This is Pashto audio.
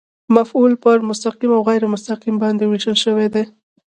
مفعول پر مستقیم او غېر مستقیم باندي وېشل سوی دئ.